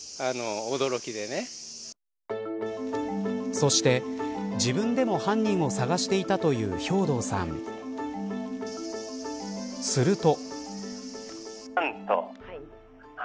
そして、自分でも犯人を探していたという兵頭さんすると。